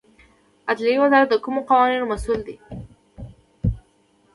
عدلیې وزارت د کومو قوانینو مسوول دی؟